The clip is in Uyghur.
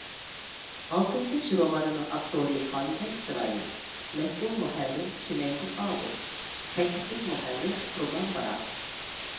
«ئالتۇن كەش» رومانىنىڭ ئاپتورى: خالىدە ئىسرائىل؛ مەسئۇل مۇھەررىرى: چىمەنگۈل ئاۋۇت؛ تەكلىپلىك مۇھەررىرى: قۇربان مامۇت